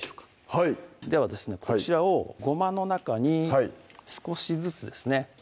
はいではですねこちらをごまの中に少しずつですね